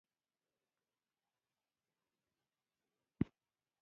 زه اوښبهني کوم.